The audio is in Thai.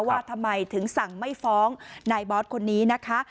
ว่าทำไมถึงสั่งไม่ฟ้องนายบอสคนนี้นะคะ